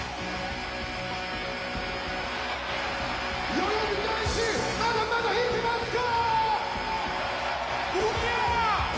代々木第一、まだまだいけますか！